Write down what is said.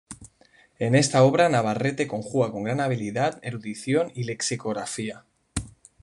En esta obra Navarrete conjuga con gran habilidad erudición y lexicografía.